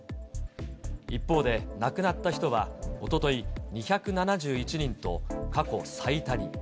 一方で、亡くなった人はおととい２７１人と、過去最多に。